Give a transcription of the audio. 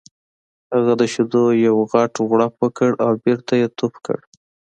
هغه د شیدو یو غټ غوړپ وکړ او بېرته یې تو کړ